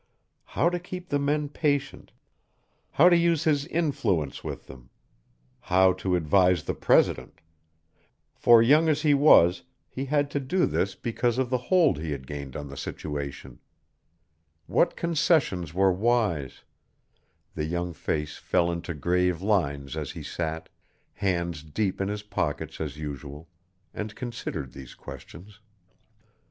How to keep the men patient; how to use his influence with them; how to advise the president for young as he was he had to do this because of the hold he had gained on the situation; what concessions were wise the young face fell into grave lines as he sat, hands deep in his pockets as usual, and considered these questions.